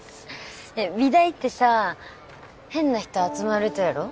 美大ってさ変な人集まるとやろ？